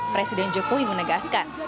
presiden jokowi menegaskan